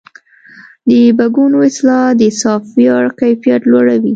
د بګونو اصلاح د سافټویر کیفیت لوړوي.